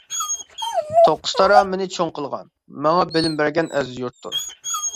توققۇزتارا مېنى چوڭ قىلغان، ماڭا بىلىم بەرگەن ئەزىز يۇرتتۇر.